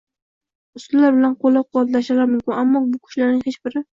usullar bilan qo‘llab-quvvatlashlari mumkin. Ammo bu kuchlarning hech biri